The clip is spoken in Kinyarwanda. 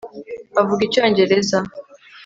avuga icyongereza